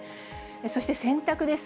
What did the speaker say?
そして洗濯です。